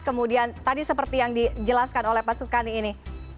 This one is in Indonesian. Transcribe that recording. kemudian tadi seperti yang dijelaskan oleh pak sukani ini